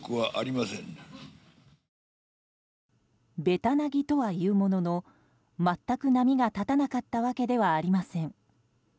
べたなぎとはいうものの全く波が立たなかったわけではありません。